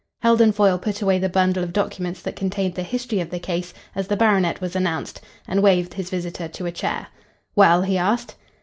Heldon Foyle put away the bundle of documents that contained the history of the case as the baronet was announced, and waved his visitor to a chair. "Well?" he asked.